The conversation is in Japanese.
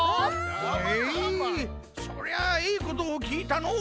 へえそりゃあええことをきいたのう！